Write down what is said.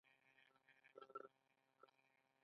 آزاد تجارت مهم دی ځکه چې کیفیت ښه کوي.